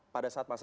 pada saat masa